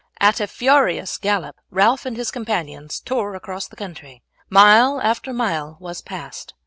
At a furious gallop Ralph and his companions tore across the country. Mile after mile was passed.